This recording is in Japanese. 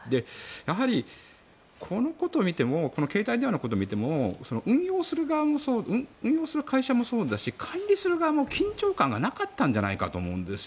やはり、このことを見ても携帯電話のことを見ても運用する会社もそうだし管理する側も緊張感がなかったんじゃないかと思うんです。